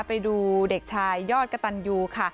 ไปดูเด็กชายยอดกระตันยูค่ะ